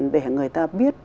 để người ta biết